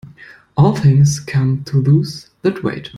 All things come to those that wait.